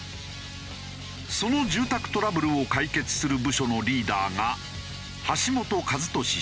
その住宅トラブルを解決する部署のリーダーが橋本和聡氏。